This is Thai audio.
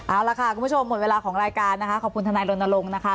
เอาล่ะค่ะคุณผู้ชมหมดเวลาของรายการนะคะขอบคุณทนายรณรงค์นะคะ